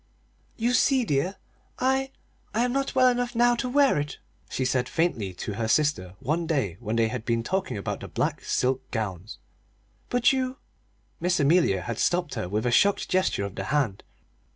"You see, dear, I I am not well enough now to wear it," she said faintly to her sister one day when they had been talking about the black silk gowns; "but you " Miss Amelia had stopped her with a shocked gesture of the hand.